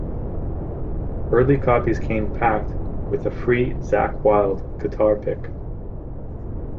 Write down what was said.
Early copies came packed with a free Zakk Wylde guitar pick.